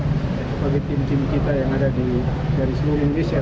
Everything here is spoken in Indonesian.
sebagai tim cinta kita yang ada di seluruh indonesia